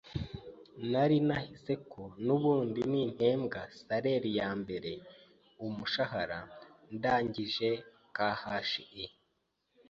Nari nahize ko n’ubundi nimpembwa salaire ya mbere (umushahara) ndangije KHI,